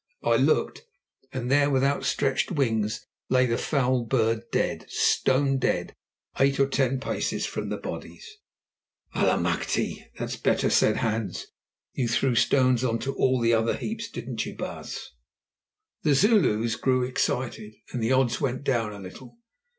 I looked, and there with outstretched wings lay the foul bird dead, stone dead, eight or ten paces from the bodies. "Allemachte! that's better," said Hans. "You threw stones on to all the other heaps, didn't you, baas?" The Zulus grew excited, and the odds went down a little.